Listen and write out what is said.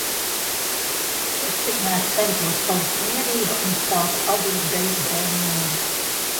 Es tikmēr centos palikt mierīga un sāku adīt beisbola nūju.